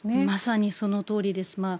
まさにそのとおりです。